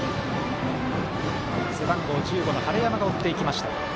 背番号１５晴山が追っていきました。